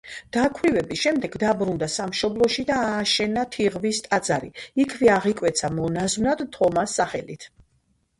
დაქვრივების შემდეგ დაბრუნდა სამშობლოში და ააშენა თიღვის ტაძარი, იქვე აღიკვეცა მონაზვნად თომას სახელით.